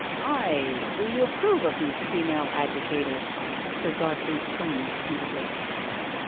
"Aye — do you approve of these female agitators?" Sir Godfrey's tone was tentative.